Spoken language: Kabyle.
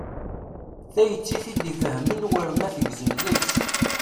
Tayet i t-id-ifahmen war ma tegzem deg-s.